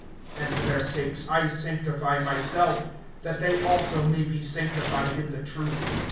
(19)And for their sakes I sanctify myself, that they also may be sanctified in the truth.